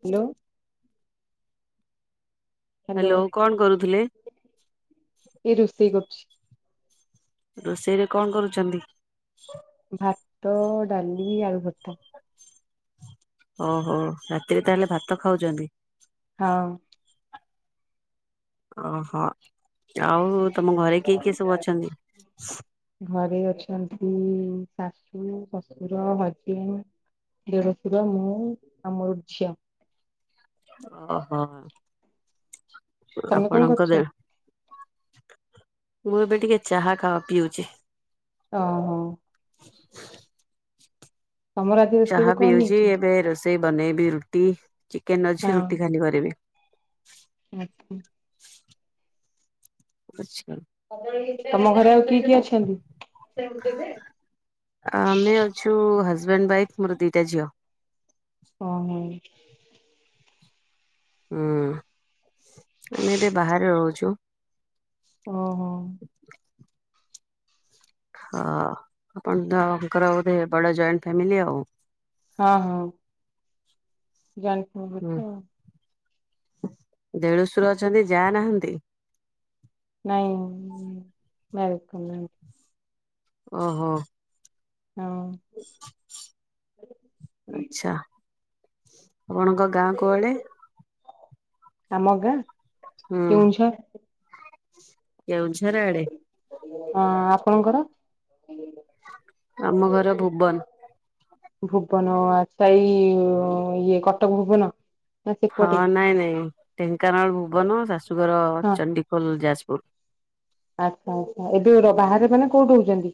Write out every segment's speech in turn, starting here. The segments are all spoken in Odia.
ହାଲୋ ହାଲୋ କଣ କରୁଥିଲେ? ଏଇ ରୋଷେଇ କରୁଛି ରୋଷେଇରେ କଣ କରୁଛନ୍ତି? ଭାତ, ଡାଲି ଆଳୁ ଭର୍ତ୍ତା। ଓହୋ ରାତିରେ ତାହେଲେ ଭାତ ଖାଉଛନ୍ତି! ହଁ। ଓହୋ ଆଉ ତମ ଘରେ କିଏ କିଏ ସବୁ ଅଛନ୍ତି? ଘରେ ଅଛନ୍ତି ଶାଶୁ, ଶଶୁର, ହଜବେଣ୍ଡ, ଦେଢଶୁର ମୁଁ ଆଉ ମୋ ଝିଅ। ଓହୋ ତମେ କଣ ଆପଣଙ୍କ କରୁଛ? ଦେ ମୁଁ ଏବେ ଟିକେ ଚାହା ଖାଅ ପିଉଛି ଅ ହୁଁ। ତମର ଆଜି ଚାହା ରୋଷେଇରେ କଣ ପିଉଛି ହେଇଛି? ଏବେ ରୋଷେ ଏବେ ବନେଇବି ରୁଟି ଚିକେନ ହଁ ଅଛି ରୁଟି ଖାଲି କରିବି। [inaudible] ଆଛ୍ ତମ ଘରେ ଆଉ କିଏ କିଏ ଅଛନ୍ତି? ହଜବ୍ୟାଣ୍ଡ ୱାଇଫ୍ ମୋର ଦିଟା ଝିଅ। ଅ ହଉ। ଁ [inaudible] ହୁଁ ଆମେ ଏବେ ବାହାରେ ରହୁଛୁ ଓ ହୋ। ହଁ ଆପଣତଙ୍କର ଵୋଧେ ବଡ ଜଏଣ୍ଟ ଫ୍ୟାମିଲି ଆଉ? ହଁ ହଁ। ଜାଣି ଥିବ ବୋଧେ ଆଉ। ଦେଢଶୁର ଅଛନ୍ତି ଯା' ନାହାନ୍ତି। ନାଇଁ ବେଲକମ୍ ନ [unintelligible] ଓହୋ। ହଁ। [inaudible] ଆଚ୍ଛା ଆପଣଙ୍କ ଗାଁ କୁଆଡେ? ଆମ ଗାଁ! ହୁଁ କେଉଁଝର୍, କେଉଁଝର ଆଡେ ହଁ ଆପଣଙ୍କର- ଆମ ଘର ଭୁବନ। ଭୁବନ ଆ ତାଇ ଇଏ କଟକ ଭୁବନ ନା ହଁ ସେପଟେ? ନାଇଁ ନାଇଁ ଢେଙ୍କାନାଳ ଭୁବନ ଶାଶୁଘଡ଼ ହଁ ଚଣ୍ଡିଖୋଲ ଯାଜପୁର। ଆଚ୍ଛା ଆଚ୍ଛା ଏବେ ବାହାରେ ମାନେ କୋଉଠି ରଉଛନ୍ତି।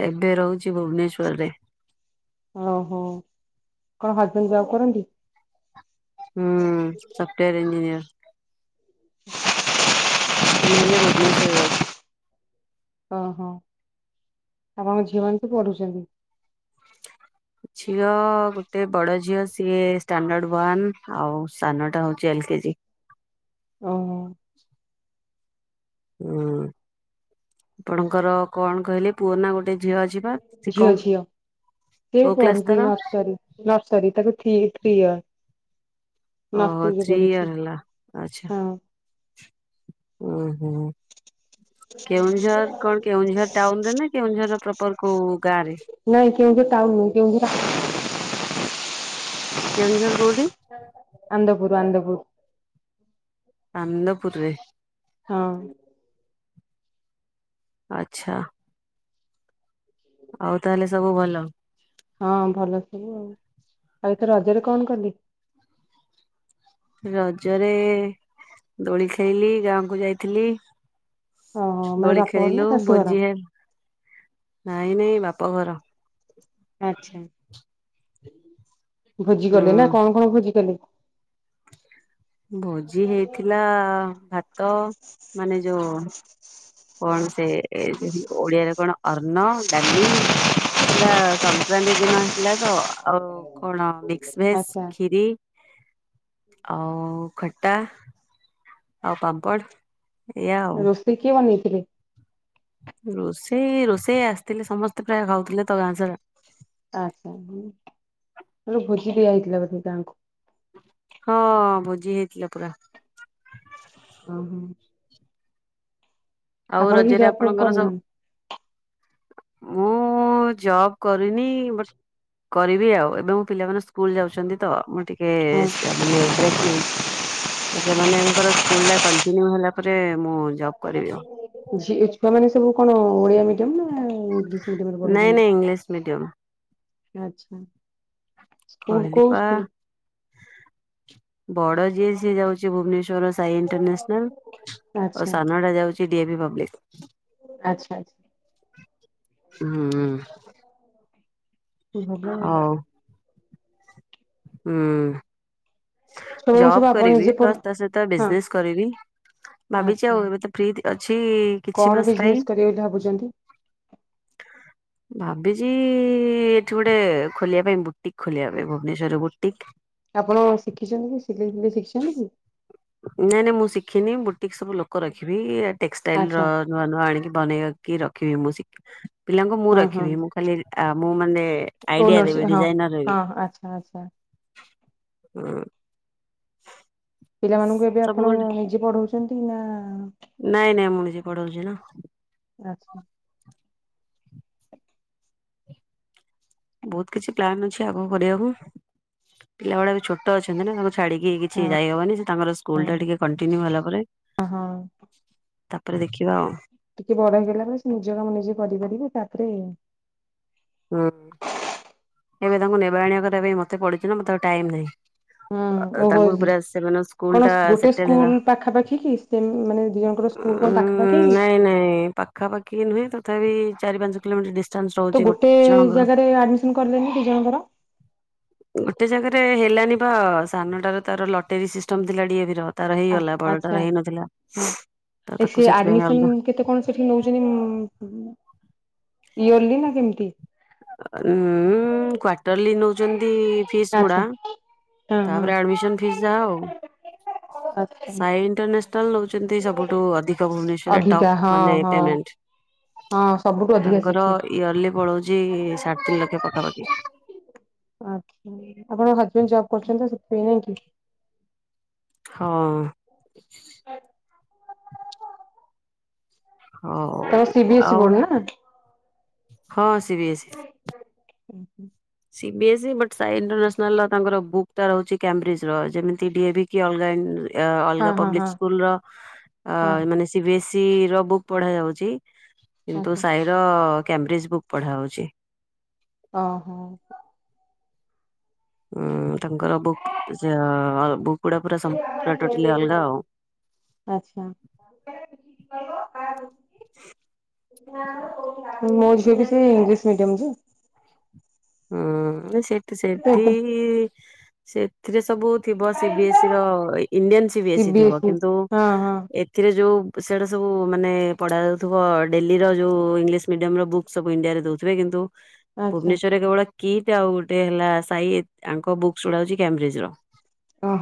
ଏବେ ରହୁଛି ଭୁବନେଶ୍ୱରରେ। ଓହୋ କଣ ହଜବେଣ୍ଡ ଯବ କରନ୍ତି? ହୁଁ ସଫ୍ଟୱାର ଇଂଜିନିୟର। ଆମେ ଏବେ ଭୁବନେଶ୍ୱର ଯାଉଛୁ। ଓହୋ ଆପଣଙ୍କ ଝିଅ ମାନ ତ ପଢୁଛନ୍ତି। ଝିଅ ଗୋଟେ ବଡ ଝିଅ ସିଏ ଷ୍ଟାଣ୍ଡଡ୍ ୱନ୍ ଆଉ ସାନଟା ହଉଛି ଏଲ କେଜି। ଓ ହ। ହୁଁ ଆପଣଙ୍କର କଣ କହିଲେ ପୁଅ ନା ଗୋଟେ। ଝିଅ ଅଛି ବା ସେ ଝିଅ କଣ ଝିଅ ସିଏ କୋଉ କ୍ଲାସ ତାର ପଢୁଛି ନର୍ସରି ତାକୁଥ୍ରୀ ୟର ଓହୋ ଥ୍ରୀ ଇୟର ହେଲା ଆଛା, ହଁ ଓୁ ହୋ [unintelligible] ଟାଉନ ରେ ନା କେଉଁଝର ପ୍ରପର କୋଉ ଗାଁ ରେ? ନାଇଁ କେଉଁଠି ଟାଉନ ନୁ କେଉଁଠି କେଉଁଝର କଉଠି। ଗୁରୁ ଆନନ୍ଦପୁର। ଆ ନନ୍ଦପୁରରେ। ହଁ ଆଛା। ଆଉ ତାହେଲେ ସବୁ ଭଲ। ହଁ ଭଲ ସବୁ ଆଉ ଆଉ ଏଥିେ ରଜରେ କଣ କଲି। ରଜରେ ଦୋଳି ଖେଳିଲି ଗାଁକୁ ଯାଇଥିଲି। ଓହୋ ମାନେ ଦୋଳି ବାପଘର ନା ଖେଳିଲୁ ଶାଶୁଘର? ଭୋଜି ହେଲ ନାଇଁ ନାଇଁ ବାପା ବାପଘର। ଆଚ୍ଛା ହୁଁ [inaudible] ଭୋଜି ହୁଁ କଲେ ନା କଣ କଣ ଭୋଜି କଲେ? ଭୋଜି ହେଇଥିଲା ଭା ତ ମାନେ ଯୋଉ କଣ ସେ ଓଡିଆରେ କଣ ଅର୍ନ ଡାଲି ସେଟା ସଂକ୍ରକ୍ରାନ୍ତି ଦିନ ହେଲା ତ ଆଉ କଣ ମିକସ ଭେଜ, ଆଚ୍ଛା ଖିରି ଆଉ ଖଟା ଆଉ ପାମ୍ପଡ଼ ରୋଷେଇ କିଏ ବନେଇ ଥିଲେ। ରୋଷେଇ ରୋଷେଇ ଆସିଥିଲେ ସମସ୍ତେ ପ୍ରାୟ ଖାଉଥିଲେ ତ ଗାଁ ସାରା। ଆଛା ବୁଝି ଦିଆ ହେଇଥିଲା ବୋଧେ ଗାଁଙ୍କୁ। ହଁ ଭୋଜି ହେଇଥିଲା ପୁରା। ଓହୋ ଆଉ ଆପଣ ବି ରଜରେ ଜପ ଆପଣଙ୍କର ସବୁ କରୁନାହାନ୍ତି। ମୁଁ ଜବ କରିନି ବ କରିବି ଆଉ ଏବେ ମୋ ପିଲାମାନେ ସ୍କୁଲ ଯାଉଛନ୍ତି ତ ମୁଁ ଟିକେ ଟିକେ ସେ ମା ବେକ୍ ନେଇ ସେମାନଙ୍କର ସ୍କୁଲ ଟା କଣ୍ଟିନିୟୁ ହେଲା। ଉପରେ ମୁଁ ଜବ୍ କରିବି ଆଉ ଝିଅ ଛୁଆ ମାନେ ସବୁ କଣ ଓଡିଆ ମିଡିୟମ ନା ଇଂଲିଶ ନାଇଁ ନାଇଁ ଇଂଲିଶ ମିଡିୟମ ଆଛା ସ୍କୁଲ କହିଲି କୋଉ ପା ସ୍କୁଲ [inaudible] ବଡ ଯିଏ ସିଏ ଯାଉଛି ଭୁବନେଶ୍ଵର ସାଇଣ୍ଟରନ୍ୟାସନାଲ ସାନଡା ଯାଉଛି ଡି ଏ ଭି ପା ବ [inaudible] ଆଛା ଆଛା। ହୁଁ ହଁ। ହୁ [inaudible] ହୁଁ। ଛୁଆଙ୍କୁ ସବୁ ଜବ ଆପଣ କରିବି ନିଜେ ପ୍ଲ ପଢ ତା ସହିତ ହଁ ବିଜନେସ କରିବି ଭାବିଛି ଆଚ୍ଛା ଆଉ ଏବେ ତ ଫି ଅଛି କିଛି କଣ ମାସ ପାଇଁ ବିଜନେସ କରିବେ ବୋଲି ଭାବୁଛନ୍ତି? ଭାବିଛି ଏଠି ଗୋଟେ ଖୋଲିବା ପାଇଁ ବୁଟିକ ଖୋଲିବା ପାଇଁ ଭୁବନେଶ୍ଵର ବୁଟିକ ଆପଣ ଶିଖିଛନ୍ତି କି ସେଇିଲେଇ ଶିଖିଛନ୍ତି କି? ନାଇଁ ନାଇଁ ମୁଁ ଶିଖିନି ବୁଟିକି ସବୁ ଲୋକ ରଖିବି ଟେକ୍ସଟାଇଲ ର ଆଚ୍ଛା ନୂଆ ନୂଆ ଆଣିକି ବନେଇକି ରଖିବି ମୁଁ ଶ ପିଲାଙ୍କୁ ମୁଁ ହଁ ହଁ ରଖିବି ମୁଁ ଖାଲି ମୁଁ ମାନେ ଆଇଡିଆ ଓନରସି ଦେବି ହଁ ଡିଜାଇନର ବି [inaudible] ହଁ ଆଚ୍ଛା ଆଚ୍ଛା ପିଲାମାନଙ୍କୁ ଏବେ ଆପଣ ଗୋଟେ ନିଜେ ପଢଉ ଯେଛନ୍ତି ନା ନାଇଁ ନାଇଁ ମୁଁ ନିଜେ ପଢ ଜିନ ଅଛିି। ବହୁତ କିଛି ପ୍ଲାନ ଅଛି ଆଗକୁ କରିବାକୁ ପିଲା ଗୁଡ଼ା ବି ଛୋଟ ଅଛନ୍ତି ନା ଛାଡିକି କିଛି ହଁ। ଯାଇ ହବନି ସେ ତାଙ୍କର ସ୍କୁଲ ଟା ଟିକେ କଣ୍ଟିନ୍ୟୁ ହେଲା ପରେ ଅ ହଁ ତାପରେ ଦେଖିବା ଆଉ। ଟିକେ ଚାକ୍ ରେ। ହୁଁ ଏବେ ତାଙ୍କୁ ନେବ ଆଣିବା କରିବା ପାଇଁ ମତେ ପଡୁଛି ନା ମତେ ଟାଇମ୍ ନାହିଁ। ଓହୋ ତାଙ୍କୁ ପୁରା ସେମାନଙ୍କ ସ୍କୁଲ କଣ ଟା ଗୋଟେ ସେଟେଲ ସ୍କୁଲ ହେଲା ପାଖାପାଖି କି ସେ ମାନେ ଦି ଜଣଙ୍କର ସ୍କୁଲ କଣ ପାଖାପାଖି କି? ନାଇଁ ନାଇଁ ପାଖାପାଖି ନୁହେଁ ତଥାପି ଚାରି ପାଞ୍ଚ କିଲୋମିଟର ଡ଼ିସ୍ ଚାନ୍ସ ରହୁଛି ଗୋ ତେ ଏ ଜଣଙ୍କର ଜାଗାରେ ଆଡମିସନ କରଲେଣି କିଛିଜଣଙ୍କର? ଗୋଟେ ଜାଗାରେ ହେଲାନି ବା ସାନଟାର ତାର ଲଟେରୀ ସିଷ୍ଟମ ଥିଲା ଡିଏଭି ର। ଆ-ଆଚଛା ହଁ ତ ତାକୁ ସେ ସେଥିପାଇଁ ଆଡମିସନ ଅଲଗା କେତେ କଣ ସେଠି ନଉଛନ୍ତି? ଉମ୍ ଇଏର୍ଲି ନା କେମତି? ଉଁ ଉଁ କ୍ଵାର୍ଟରଲି ନଉ ଚନ୍ତି ଫିସ୍ ଗୁଡ଼ା ଆଚ୍ଛା ହଁ ହଁ। ତାପରେ ଆଡମିଶନ ଫିସ୍ ଯାହାଉ। ଆଚ୍ଛା ସାଇ ଇଣ୍ଟର ଟୋଟାଲ ନଉଛନ୍ତି ସବୁଠୁ ଅଧିକ ଭୁବନେଶ୍ୱରରେ ଅଧିକା ଟପ୍ ହଁ ମାନେ ହଁ ପେମେଣ୍ଟ। ହଁ ସବୁଠୁ ଅଧିକା ତାଙ୍କର ସେଠି। ଇୟରଲି ପଳଉଛି ଇ ତିନି ଲକ୍ଷ ପାଖାପାଖି। ଆଚ୍ଛା ଆପଣଙ୍କ ହଜବେଣ୍ଡ ଜବ୍ କରୁଛନ୍ତି ସେଥିପାଇଁ ନାଇଁ କି? ହଁ। ହଉ ତମର ସିବିିଏସ୍ଇ ଆଉ ବୋର୍ଡ ନା? ହଁ ସିବିଏସ୍ଇ। ସିବିଏସ୍ଇ ବଟ୍ ସାଇଇଣ୍ଟରନ୍ୟାସନାଲ୍ ତାଙ୍କର ବୁକ୍ ଟା ରହୁଛି କ୍ୟମ୍ବ୍ରିଜ ର ଯେମିତି ଡିଏଭି କି ଅଲଗାଇନ୍ ଅ ହଁ ଅଲଗା ହଁ ହଁ ପବ୍ଲିକ୍ ସ୍କୁଲ ର ଅ ମାନେ ସିିବିଏସ୍ଇ ଟି ର ବୁକ୍ ପଢା ଯାଉଛି। ହଁ କିନ୍ତୁ ହଁ ସାଇର କ୍ୟାମ୍ବ୍ରିଜ୍ ବୁକ୍ ପଢ଼ାହଉଛି। ଅ ହୋ। ଉଁ ତାଙ୍କର ବୁକ୍ ଜିଅ ଲ ବୁକ୍ ଆଛା ମୋ ଝି ସିଏ ବି ସେଇ ଇଂଲିଶ ମିଡିୟମ ଯେ। ହଁ। ସେଠି ତ ସେଠି ଏବେ ଇ ସେ ଏଥିରେ ସବୁ ଥିବ ସିବି ଏସିଇ ର ଇଣ୍ଡିଆନ ସିବି ସି ଏସି ଇ ବି ଥିବ ଏସ୍ କିନ୍ତୁ ହଁ ହଁ ଏଥିରେ ଯୋଉ ସିଇଆଡ଼ା ସବୁ ମାନେ ପଢ଼ାଯାଉଥିବ ଡେଲିର ଯେଉଁ ଇଂଲିଶ ମିଡ଼ିୟମର ବୁକ୍ ସବୁ ଇଣ୍ଡିଆରେ ଦେଉଥିବେ କିନ୍ତୁ ଆଛା। ଭୁବନେଶ୍ୱରରେ କେବଳ କିଟ ଆଉ ଗୋଟେ ହେଲା ସାଇ ଆଙ୍କ ବୁକ୍ ଗୁଡାକ ହେଉଛି କାବ୍ରିଜି ର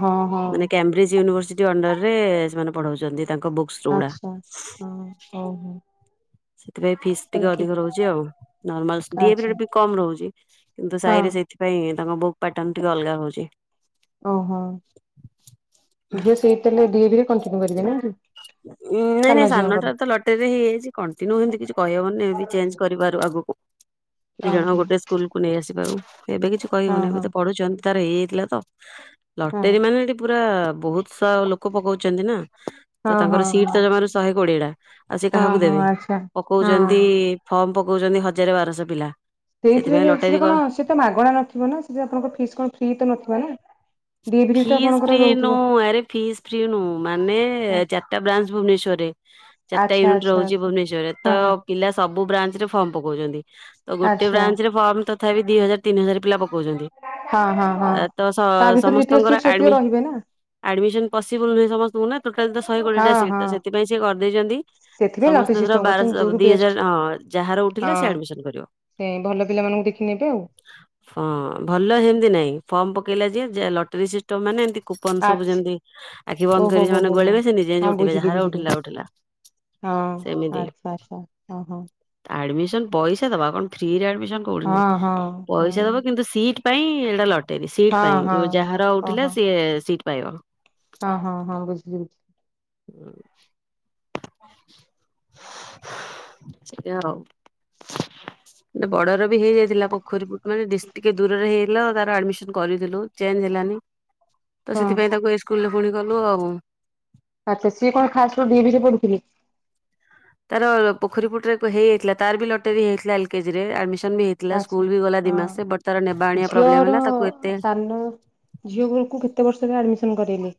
ହଁ ହଁ ମାନେ କାମ୍ବ୍ରିଜ ୟନଭର୍ସି ଯଉ ଅଣ୍ଡର ରେ ସେମାନେ ପଢାଉଛନ୍ତି ତାଙ୍କ ବୁକ୍ସ ଗୁଡା। ଆଛା ହଁ ଓ ହୋଉ ହୋଉ। ସେଥିପାଇଁ ଫିସ୍ ଟିକେ ଅଧିକ ରହୁଛି ଆଉ ନର୍ମାଲ ଡିଏ ବି ଆଚ୍ଛା ଟିକେ କମ ରହୁଛି କିନ୍ତୁ ହଁ ସାଇରେ ସେଥିପାଇଁ ତାଙ୍କ ବୁକ୍ ପାଟନ୍ ଟିକେ ଅଲଗା ହଉଛି। ଓହୋ ଝିଅ ସେଇଠି ତା ହେଲ ଡି ଏ ବି ରେ କଣ୍ଟିନ୍ୟୁ କରିବେ ନା କି ନାଇଁ ସାନ ନାଇଁ ଝିଅଙ୍କର? ସାନଟା ତ ଲଟେରରେ ହେଇଯାଇଛି କଣ୍ଟିନ୍ୟୁ ହେମିତି କିଛି କହିହବନି ଏ ଚେଞ୍ଜ କରିବାରୁ ଆଗକୁ ଦି ଜଣ ଓହୋ ଗୋଟେ ସ୍କୁଲ କୁ ନେଇ ଆସିପାରୁ ଏବେ କିଛି ହଁ କହିବୁନି ଏବେ ହଁ ତ ପଢୁଛନ୍ତି। ତାର ହେଇଯାଇଥିଲା ତ ହଁ ଲଟେରୀ ମାନେ ପ ପୁରା ବହୁତ ସାରା ଲୋକ ପକଉଛନ୍ତି ନା। ତ ହଁ ହଁ ତାଙ୍କର ସିଟ ହଁ ତ ଜମାରୁ ଶହେ କୋଡିଏ ଟା ଆଉ ସେ ହଁ କାହାକୁ ହଁ ଦେବେ ଆଚ୍ଛା ପକଉଛନ୍ତି ହଁ। ଫର୍ମ ପକଉଛନ୍ତି। ଜରେ ବାରସ ପିଲା ସେଥିପାଇଁ ସେଇଥିରେ ସେ ଲଟେରୀ କ କଣ ସେ ତ ମାଗଣା ନଥିବ ନା ସେ ଆପଣଙ୍କର ଫିସ୍ କଣ ଫ୍ରି ତ ନଥିବ ନା ଦିଇଟିଯାକ ଫିସ୍ ଆପଣଙ୍କର ଫ୍ରି ରହୁଥିବ। ନୁହଁ ଆରେ ଫିସ୍ ଫ୍ରି ନୁହଁ ମାନେ ଚାରିଟା ବ୍ରାଞ୍ଚ ଭୁବନେଶ୍ବରରେ ଚାରିଟା ଆଚ୍ଛା ୟୁନିଟ ଆଚ୍ଛା ରହୁଛି ଆଚ୍ଛା। ଭୁବନେଶ୍ଵରରେ ତ ହଁ ହଁ ପିଲା ସବୁ ସବୁ ବ୍ରାଞ୍ଚ ରେ ଫର୍ମ ପକାଉଛନ୍ତି। ତ ଗୋଟେ ଆଚ୍ଛା ବ୍ରାଞ୍ଚ ରେ ଫର୍ମ ତ ଥାି ଦି ହଜାର ତିିନି ହଜାର ପିଲା ପ ପକଉଛନ୍ତି ହଁ ହଁ ହଁ। ଏ ତ ସ ତା ଭିତରେ ଯେତିକ ସମସ୍ତଙ୍କର ସିଟ୍ ସେତିକି ଆଡମିନ ରହିବେ ନା ଆଡମିସନ ପସିବୁଲ ନୁହେଁ ସମ ମୁଁ ନା ଟୋଟାଲ ତ ଶହେ କୋଡିଏଟା ହଁ ସିଟ ହଁ ସେଥିପାଇଁ ସେ କରିଦେଇଛନ୍ତି ସେଥିପାଇଁ ଲଟେରୀ ସମସ୍ତଙ୍କର ସିଷ୍ଟମ ବାରସ କରିଛନ୍ତି ଯୋଉଠୁ ଦି ବେଷ୍ଟ। ହଜାର ହଁ ଯାହାର ଉଠିଲା ସେ ହଁ ଆଡମିସନ କରିବ ସେ ଭଲ ପିଲାମାନଙ୍କୁ ଦେଖି ନେବେ ଆଉ ହଁ। ଭଲ ହେମିତି ନାଇଁ ଫର୍ମ ପକେଇଲା ଯାଏ ଲଟରୀ ସିଷ୍ଟମ ମାନେ ଏମ କୁପନ ସବୁ ଆଚ୍ଛା ଯେମିତି ଆଖି [inaudible] ଓହୋ ହୋ ମାନେ ହୋ ହୋ। ଗଳେଇ ବେ ସେ ନିଜେ ହଁ ଉଠିବେ ବୁଝିଲି ଯାହାର ବୁଝିଲି ଉଠିଲା ଉଠିଲା ହଁ ସେମିତି ଆଚ୍ଛା ଆଚ୍ଛା ହଁ ହଁ ପଇସା ଦବା କଣ ଫ୍ରିରେ ଆଡମିଟ କୋଉଠି ନାଇଁ ହଁ ହଁ। ପଇସା ଦବ କିନ୍ତୁ ସିଟ ପାଇଁ ଏଇଟା ଲଟ- ତୀର ସିଟ୍ ହଁ ପାଇଁ ହଁ ଯୋଉ ହଁ ଯାହାର ଉଠିଲା ଓହୋ ସିଏ ସିଟ ପାଇବ। ହଁ ହଁ ହଁ ବୁଝିଲି ବୁଝିଲି। [inaudible] ସେ ଆଉ ବଡର ବି ହେଇଯାଇଥିଲା ପୋଖରୀ ପୁଟରେ ଟିକେ ଦୂରରେ ହେଇ ଯାଇଥିଲା ତାର ଆଡମିସନ କରିଦେଲୁ ଚେଞ୍ଜ ହେଲାନି। ତ ହଁ। ସେଥିପାଇଁ ତାକୁ ଏ ସ୍କୁଲ ପୁଣି ଗଲୁ ଆଉ ଆଚ୍ଛା ସିଏ କଣ ଖାସ ରୋ ତାର ପୋଖରୀ ପୁଟ ରେ ତ ହେଇଯାଇଥିଲା। ତାର ବି ଲଟେରୀ ହେଇଯାଥିଲା ଏଲ କେଜିରେ ଆଛା ନେବା ହଁ ଆଣିବା ପ୍ରୋବ୍ଲେମ ଝିଅର ହେଲା ତାକୁ ଏତେ ସାନ ଝିଅ ଘରକୁ କେତେ ବର୍ଷ ହେଲା ଆଡମିସନ ଡମିଶନ କରେଇଲେ।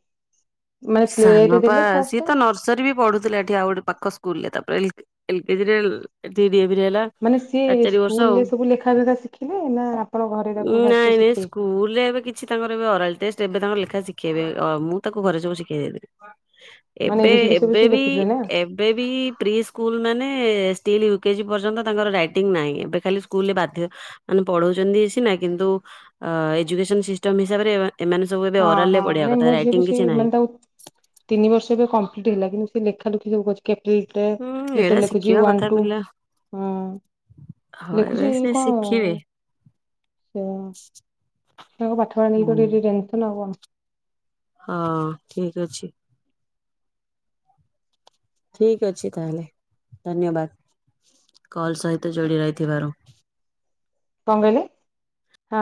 ମାନେ ପ୍ଲେ ସାନ ରେ ପା ଦେଲେ ଫାଷ୍ଟ ସିଏ ତ ନର୍ସରୀ ବି ପଢୁଥିଲା ଏଠି ଆଉ ଗୋଟେ ପାଖ ସ୍କୁଲ ରେ ତା ଏଲ୍କ ଏଲ୍ କେ ଜି ରେ ଏଠି ଡ଼ି-ଏ-ଭି ରେ ହେଲା ମାନେ ସିଏ ସାଢେଚାରି ବର୍ଷ ସ୍କୁଲ ଆଉ ରେ ସବୁ ଲେଖା ଫେଖା ଶିଖିଲେ ନା ଆପଣ ଘରେ ତାକୁ ଫାଷ୍ଟ ନାଇଁ ନାଇଁ ଶିଖେଇ ସ୍କୁଲରେ ଏବେ କିଛି ତାଙ୍କର ଏବେ ଓରାଲ ଟେଷ୍ଟ ଏବେ ତାଙ୍କର ଲେଖା ା ଶିଖେଇବେ ମୁ ତାକୁ ଘରେ ସବୁ ଶିଖ କେ [inaudible] ମାନେ ଏ ଏବେ ବି ସି ଡି ସବୁ ଏବେ ସେ ବି ଲେଖୁଥିଲେ ନା ଏବେ ବି ପ୍ରି ସ୍କୁଲ ମାନେ ଷ୍ଟିଲ୍ ୟୁକେଜି ପର୍ଯ୍ୟନ୍ତ ତାଙ୍କର ରାଇଟିଙ୍ଗ ନାହିଁ ଏବେ ଖାଲି ସ୍କୁଲରେ ବାଧ୍ୟ ମାନେ ପଢଉଛନ୍ତି ସିନା କିନ୍ତୁ ଏଜୁକେସନ ସିଷ୍ଟମ ହିସାବରେ ଏମାନେ ସବୁ ଏବେ ହଁ ଅରଲରେ ହଁ ପଢିବା ନାଇଁ କଥା ମୋ ଝିଅ ବି ରାଇଟିଙ୍ଗ ସେ କିଛି ନାହିଁ ମାନେ ତାକୁ ତିନି ବର୍ଷ ଏ କମ୍ପ୍ଲିଟ ହେଲା କିନ୍ତୁ ସେ ଲେଖାଲେଖି ସବୁ କରୁଛି। ପ ହୁଁ ଲେଟର ଏଇଟା ଲେଖୁଛି ଶିଖିବା ୱାନ୍ କଥା ଟୁ ପିଲା ହଁ ଏବେ ଲେଖୁଛି ସେ କଣ ଶିଖିବେ ସେ ତାଙ୍କ ପାଠପଢ଼ା ହୁଁ ନେଇକି ପିବ ଓହୋ। ହଁ ଠିକ ଅଛି, ଠିକ ଅଛି ତାହେଲେ ଧନ୍ୟବାଦ କଲ ସହିତ ଯୋଡି ରହିଥିବାରୁ କଣ କହିଲେ? ହଁ